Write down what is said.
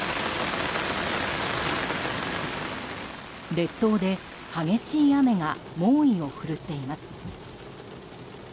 列島で激しい雨が猛威を振るっています。